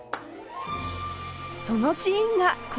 そのシーンがこちら